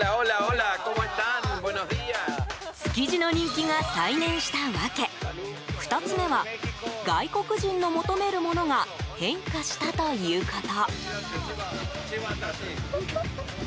築地の人気が再燃した訳２つ目は外国人の求めるものが変化したということ。